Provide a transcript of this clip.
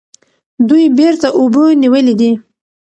دوی بیرته اوبه نیولې دي.